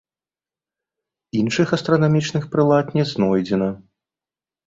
Іншых астранамічных прылад не знойдзена.